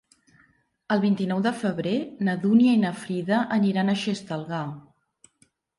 El vint-i-nou de febrer na Dúnia i na Frida aniran a Xestalgar.